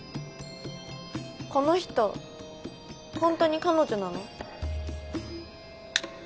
この人ホントに彼女なの？